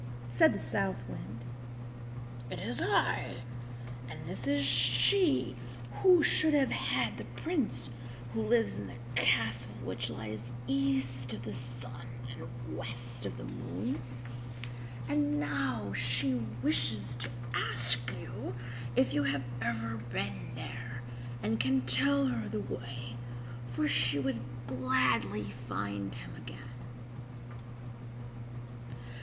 Said the South Wind: "It is I, and this is she who should have had the Prince who lives in the castle which lies east of the sun and west of the moon. And now she wishes to ask you if you have ever been there, and can tell her the way, for she would gladly find him again."